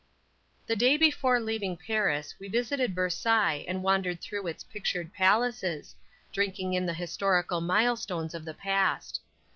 The day before leaving Paris we visited Versailles and wandered through its pictured palaces, drinking in the historical milestones of the past.